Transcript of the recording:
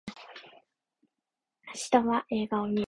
明日は映画を見る